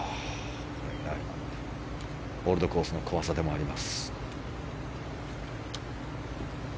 オールドコースの怖さでもあります。